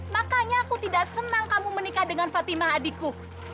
makanya aku tidak senang kamu menikah dengan fatimah adikku